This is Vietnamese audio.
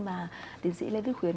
mà tiến sĩ lê vít khuyến